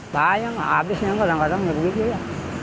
bahaya nggak habis kadang kadang begitu ya